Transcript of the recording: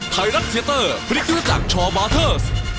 ไทรัตเทียตเตอร์พฤติธรรมจากชบาร์เทอร์ส